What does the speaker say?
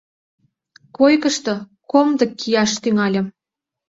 Койкышто комдык кияш тӱҥальым.